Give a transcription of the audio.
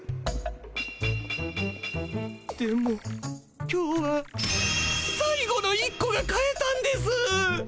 でも今日はさい後の１こが買えたんです。